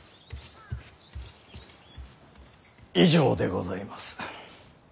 以上でございます。